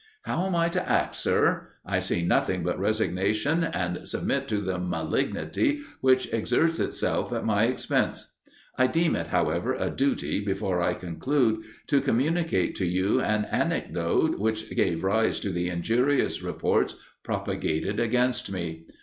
How am I to act, sir? I see nothing but resignation, and submit to the malignity which exerts itself at my expense. I deem it, however, a duty, before I conclude, to communicate to you an anecdote, which gave rise to the injurious reports propagated against me.